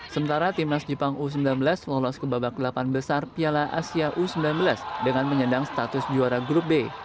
sementara timnas jepang u sembilan belas lolos ke babak delapan besar piala asia u sembilan belas dengan menyandang status juara grup b